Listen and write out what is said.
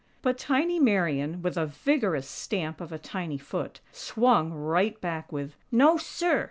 But tiny Marian, with a vigorous stamp of a tiny foot, swung right back with: "NO, SIR!!